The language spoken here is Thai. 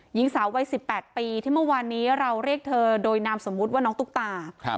หญิงสาววัย๑๘ปีที่เมื่อวานนี้เราเรียกเธอโดยนามสมมุติว่าน้องตุ๊กตา